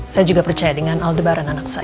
saya juga percaya dengan aldebaran anak saya